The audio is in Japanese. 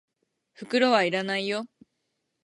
袋は要らないよ。